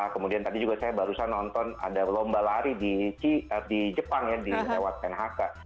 kemudian tadi juga saya barusan nonton ada lomba lari di jepang ya di lewat knhk